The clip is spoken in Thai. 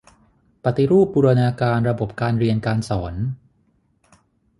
ปฏิรูปบูรณาการระบบการเรียนการสอน